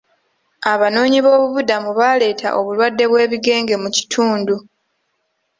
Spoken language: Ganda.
Abanoonyi boobubudamu baaleeta obulwadde bw'ebigenge mu kitundu.